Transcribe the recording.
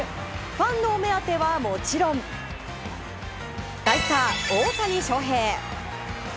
ファンのお目当てはもちろん大スター、大谷翔平。